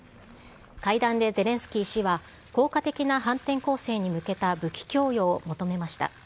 会談でゼレンスキー氏は、効果的な反転攻勢に向けた武器供与を求めました。